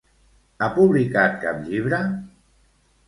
Ha publicat cap llibre?